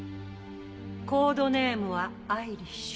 コードネームは「アイリッシュ」。